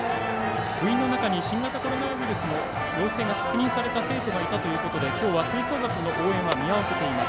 部員の中に新型コロナウイルスの陽性が確認された生徒がいるということできょうは吹奏楽の応援は見合わせています。